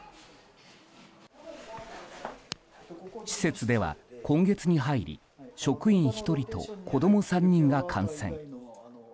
施設では今月に入り職員１人と子供３人が感染。